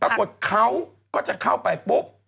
ปรากฏเขาก็จะเข้าไปปุ๊บ